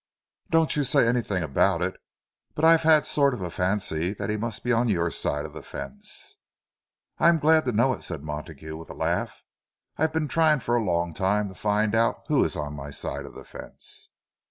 Don't you say anything about it, but I've had a sort of a fancy that he must be on your side of the fence." "I'd be glad to know it," said Montague, with a laugh—"I've been trying for a long time to find out who is on my side of the fence."